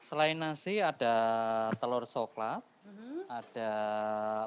selain nasi ada telur coklat ada sayur